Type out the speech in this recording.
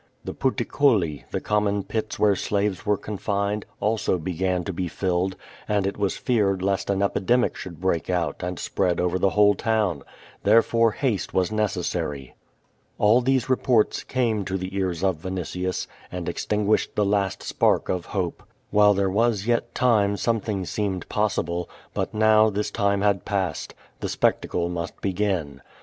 The Puticulli, the common pits where slaves were confined, also began to be filled, ^and it was feared lest ain epidemic should break out ami spread over the whole town. Therefore haste was necessary. All these reports came to the ears of Vinitius, and ex tinguished the last spark of hope. While there wtLS yet time something seemed possible, but now this time had passed. The spl'ctacle must begin.